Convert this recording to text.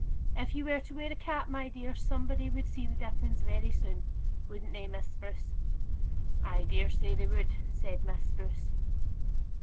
If you were to wear a cap, my dear, somebody would see the difference very soon wouldn't they, Miss Spruce?" "I dare say they would," said Miss Spruce.